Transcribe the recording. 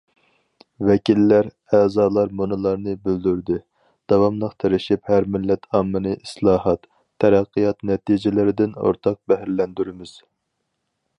ۋەكىللەر، ئەزالار مۇنۇلارنى بىلدۈردى: داۋاملىق تىرىشىپ ھەر مىللەت ئاممىنى ئىسلاھات، تەرەققىيات نەتىجىلىرىدىن ئورتاق بەھرىلەندۈرىمىز.